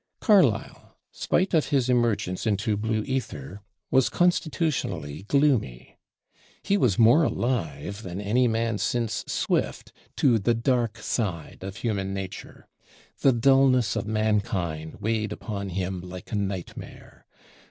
Carlyle, spite of his emergence into "blue ether," was constitutionally gloomy. He was more alive than any man since Swift to the dark side of human nature. The dullness of mankind weighed upon him like a nightmare.